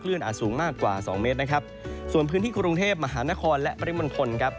อาจสูงมากกว่าสองเมตรนะครับส่วนพื้นที่กรุงเทพมหานครและปริมณฑลครับ